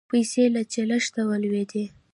پیسې له چلښته ولوېدې